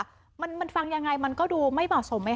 ดูดูด้วยค่ะมันมันฟังยังไงมันก็ดูไม่เหมาะสมไหม